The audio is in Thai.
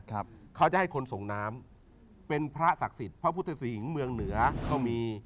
เขาจะให้คนส่งน้ำเป็นพระศักดิ์สิทธิ์พระพุทธศรีหญิงเมืองเหนือก็มี